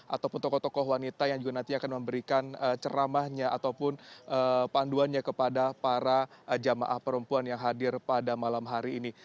ataupun tokoh tokoh wanita yang juga nanti akan memberikan ceramahnya ataupun panduannya kepada para jamaah perempuan yang hadir pada malam hari ini